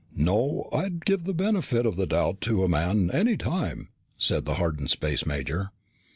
"No. I'd give the benefit of the doubt to a man any time," said the hardened space major.